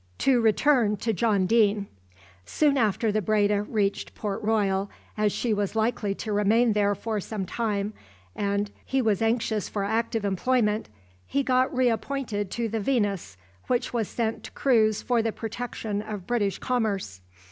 To return to John Deane. Soon after the "Breda" reached Port Royal, as she was likely to remain there for some time, and he was anxious for active employment, he got re appointed to the "Venus," which was sent to cruise for the protection of British commerce.